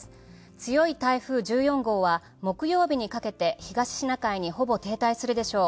強い台風１４号は木曜日にかけて東シナ海にほぼ停滞するでしょう。